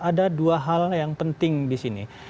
ada dua hal yang penting disini